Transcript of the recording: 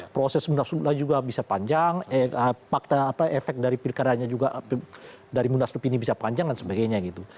proses mundas lukan juga bisa panjang efek dari pilihannya juga dari mundas lukan ini bisa panjang dan sebagainya gitu